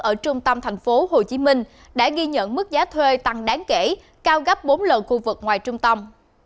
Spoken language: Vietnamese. ở trung tâm tp hcm đã ghi nhận mức giá thuê tăng đáng kể cao gấp bốn lần khu vực ngoài trung tâm